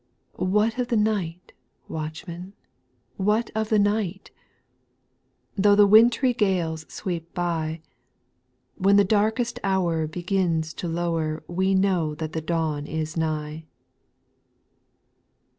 8. What of the night, watchman, what of the night ? Tho' the wintry gales sweep by, When the darkest hour begins to lower We know that the dawn is nigh.